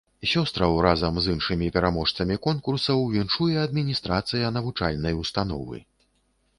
Сёстраў разам з іншымі пераможцамі конкурсаў віншуе адміністрацыя навучальнай установы.